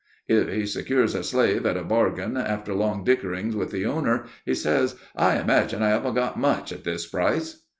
'" "If he secures a slave at a bargain after long dickering with the owner, he says: 'I imagine I haven't got much at this price.